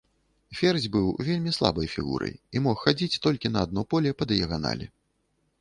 Ферзь быў вельмі слабай фігурай і мог хадзіць толькі на адно поле па дыяганалі.